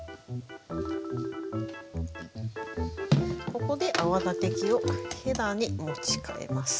ここで泡立て器をへらに持ち替えます。